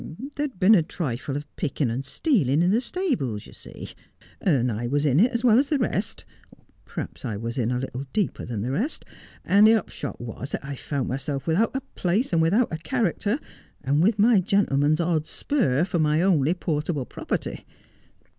There'd been a trifle of picking and stealing in the stables, you see, and I was in it as well as the rest — perhaps I was a little deeper in than the rest — and the upshot was that I found myself without a place and without a character, and with my gentle man's odd spur for my only portable property.